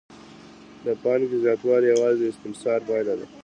د پانګې زیاتوالی یوازې د استثمار پایله ده